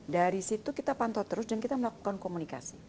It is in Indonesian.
dari situ kita pantau terus dan kita melakukan komunikasi